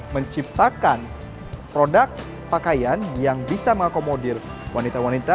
menciptakan produk pakaian yang bisa mengakomodir wanita wanita